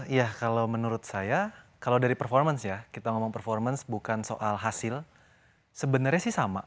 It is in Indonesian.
ya kalau menurut saya kalau dari performance ya kita ngomong performance bukan soal hasil sebenarnya sih sama